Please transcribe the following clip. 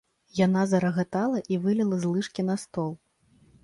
Яна зарагатала і выліла з лыжкі на стол.